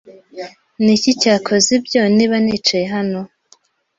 Niki cyakoze ibyo niba nicaye hano